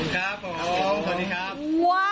ขอบคุณครับ